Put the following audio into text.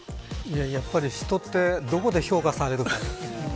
やっぱり人ってどこで評価されるか。